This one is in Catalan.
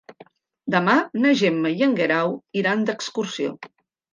Demà na Gemma i en Guerau iran d'excursió.